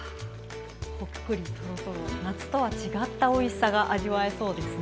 ほっくりとろとろ夏とは違ったおいしさが味わえそうですね。